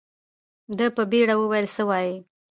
ده په بيړه وويل څه وايې.